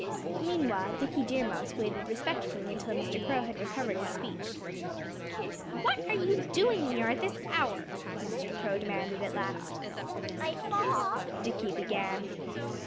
Meanwhile Dickie Deer Mouse waited respectfully until Mr. Crow had recovered his speech. "What are you doing here at this hour?" Mr. Crow demanded at last. "I thought " Dickie began.